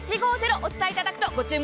お伝えいただくとご注文